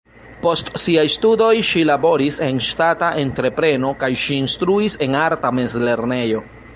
Post siaj studoj ŝi laboris en ŝtata entrepreno kaj ŝi instruis en arta mezlernejo.